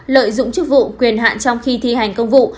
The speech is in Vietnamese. lợi dụng chức vụ quyền hạn trong khi thi hành công vụ